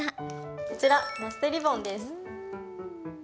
こちら、マステリボンです。